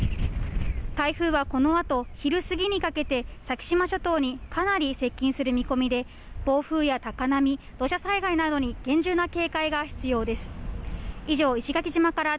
台風はこのあと昼過ぎにかけて、先島諸島にかなり接近する見込みで、暴風や高波、土砂災害などに厳重な警戒が必要です。